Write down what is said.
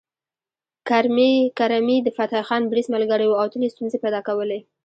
کرمي د فتح خان بړيڅ ملګری و او تل یې ستونزې پيدا کولې